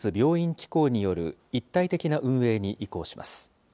機構による一体的な運営に移行します。